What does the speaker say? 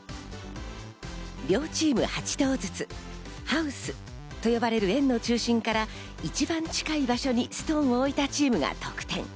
両チーム８投ずつ、ハウスと呼ばれる円の中心から、１番近い場所にストーンを置いたチームが得点。